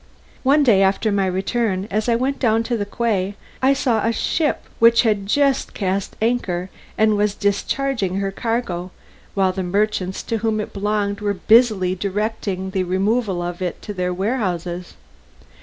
One day after my return, as I went down to the quay, I saw a ship which had just cast anchor, and was discharging her cargo, while the merchants to whom it belonged were busily directing the removal of it to their warehouses.